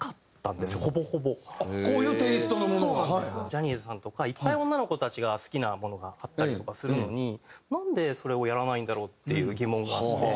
ジャニーズさんとかいっぱい女の子たちが好きなものがあったりとかするのになんでそれをやらないんだろう？っていう疑問があって。